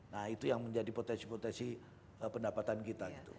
nah itu yang menjadi potensi potensi pendapatan kita gitu